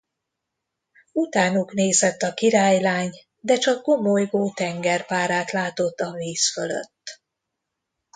Utánuk nézett a királylány, de csak gomolygó tengerpárát látott a víz fölött.